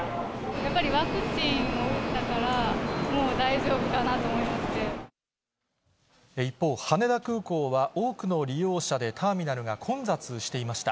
やっぱりワクチンを打ったか一方、羽田空港は多くの利用者でターミナルが混雑していました。